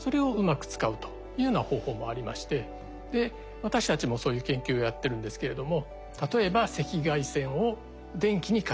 私たちもそういう研究をやってるんですけれども。